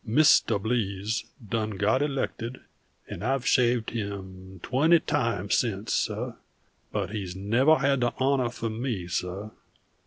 _ Mis tuh Blease done got elected, and I've shaved him twenty times since, suh; _but he's nuvver had the honah from me, suh.